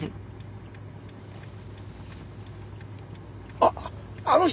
あっあの人です！